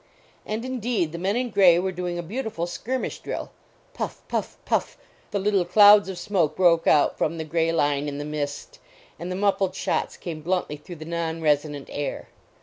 And indeed the men in gray were doing a beautiful skirmish drill. Puff, puff, puff the little clouds of smoke broke out from the gray line in the mist, and the muffled shots came bluntly through the non resonant air.